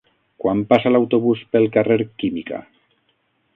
Quan passa l'autobús pel carrer Química?